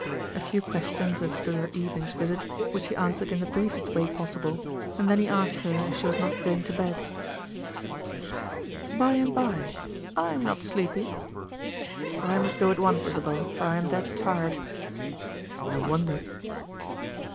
A few questions as to her evening's visit, which she answered in the briefest way possible, and then he asked her if she was not going to bed. "By and by. I am not sleepy." "I must go at once, Isabel, for I am dead tired." And no wonder.